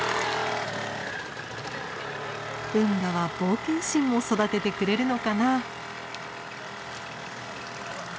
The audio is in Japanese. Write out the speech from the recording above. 運河は冒険心も育ててくれるのかな。